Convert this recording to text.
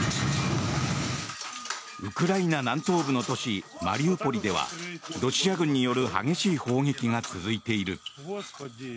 ウクライナ南東部の都市マリウポリではロシア軍による激しい砲撃が続いている。